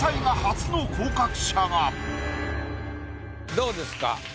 どうですか？